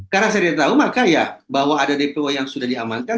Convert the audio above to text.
karena saya tidak tahu maka ya bahwa ada dpo yang sudah diamankan